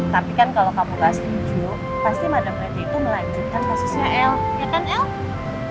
tapi kan kalo kamu gak setuju pasti madam pretty itu melanjutkan kasusnya el ya kan el